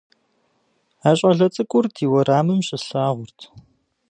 А щӀалэ цӀыкӀур ди уэрамым щыслъагъурт.